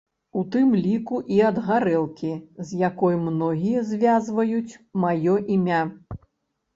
У тым ліку і ад гарэлкі, з якой многія звязваюць маё імя.